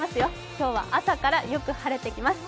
今日は朝からよく晴れてきます。